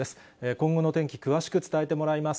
今後のお天気、詳しく伝えてもらいます。